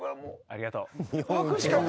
ありがとう。